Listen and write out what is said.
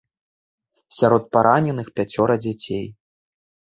Сярод параненых пяцёра дзяцей.